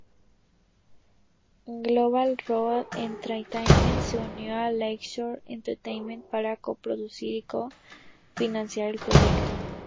Global Road Entertainment se unió a Lakeshore Entertainment para co-producir y co-financiar el proyecto.